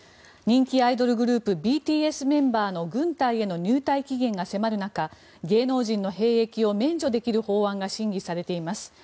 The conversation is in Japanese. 人気アイドルグループＢＴＳメンバーの軍隊への入隊期限が迫る中芸能人の兵役を免除できる法案が審議されています。